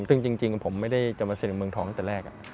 ซึ่งจริงผมไม่ได้จะมาเซ็นในเมืองทองตั้งแต่แรก